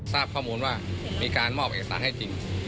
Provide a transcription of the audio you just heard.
ทราบข้อมูลว่ามีการมอบเอกสารให้จริง